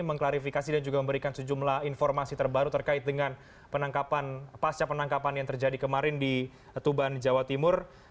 mengklarifikasi dan juga memberikan sejumlah informasi terbaru terkait dengan penangkapan pasca penangkapan yang terjadi kemarin di tuban jawa timur